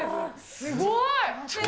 すごい。